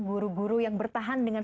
guru guru yang bertahan dengan